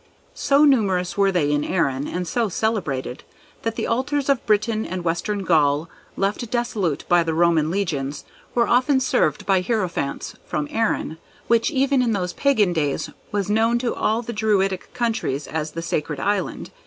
So numerous were they in Erin, and so celebrated, that the altars of Britain and western Gaul, left desolate by the Roman legions, were often served by hierophants from Erin, which, even in those Pagan days, was known to all the Druidic countries as the "Sacred Island."